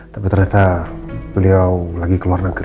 tapi ternyata beliau lagi keluar negeri